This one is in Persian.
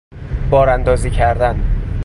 باراندازی کردن